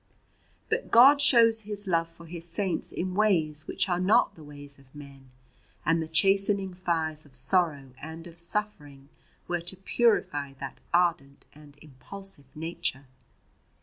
But God shows His love for His Saints in ways which are not the ways of men, and the chastening fires of sorrow and of suffering were to purify that ardent and impulsive nature.